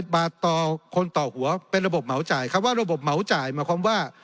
บาทต่อคนต่อหัวเป็นระบบเหมาจ่ายคำว่าระบบเหมาจ่ายหมายความว่า